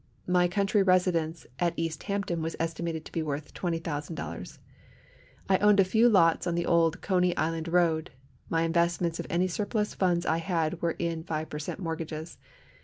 My country residence at East Hampton was estimated to be worth $20,000. I owned a few lots on the old Coney Island road. My investments of any surplus funds I had were in 5 per cent. mortgages.